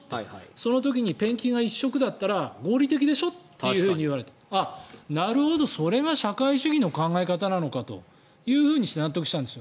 その時にペンキが一色だったら合理的でしょと言われてなるほど、それが社会主義の考え方なのかと納得したんです。